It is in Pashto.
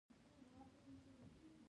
علم د انسان کلتور بډای کوي.